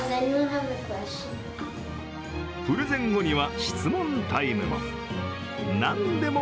プレゼン後には質問タイムも。